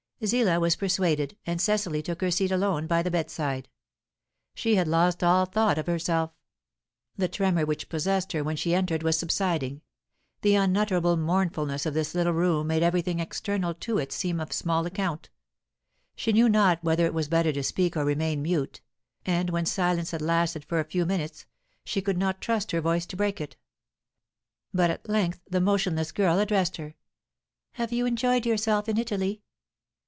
Zillah was persuaded, and Cecily took her seat alone by the bedside. She had lost all thought of herself. The tremor which possessed her when she entered was subsiding; the unutterable mournfulness of this little room made everything external to it seem of small account. She knew not whether it was better to speak or remain mute, and when silence had lasted for a few minutes, she could not trust her voice to break it. But at length the motionless girl addressed her. "Have you enjoyed yourself in Italy?"